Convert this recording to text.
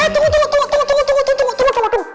tunggu tunggu tunggu